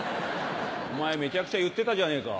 お前めちゃくちゃ言ってたじゃねえか。